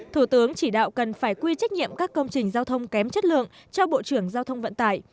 thủ tướng chỉ đạo cần phải quy trách nhiệm các công trình giao thông kém chất lượng cho bộ trưởng giao thông vận tải